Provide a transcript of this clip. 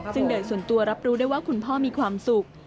ซึ่งโดยส่วนตัวรับรู้ได้ว่าคุณพ่อมีความสุข